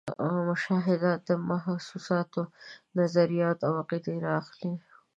مشاهدات، محسوسات، نظریات او عقیدې را اخلي.